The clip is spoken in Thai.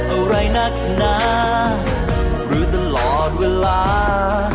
อะไรนักหนาหรือตลอดเวลา